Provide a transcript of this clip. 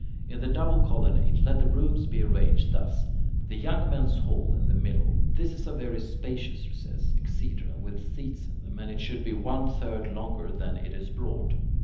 In the double colonnade let the rooms be arranged thus: the young men's hall (B) in the middle; this is a very spacious recess (exedra) with seats in it, and it should be one third longer than it is broad.